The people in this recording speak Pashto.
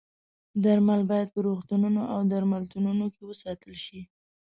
درمل باید په روغتونونو او درملتونونو کې وساتل شي.